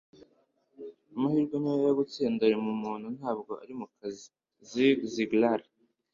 amahirwe nyayo yo gutsinda ari mu muntu ntabwo ari mu kazi. - zig ziglar